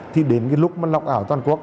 thì đến lúc lọc ảo toàn quốc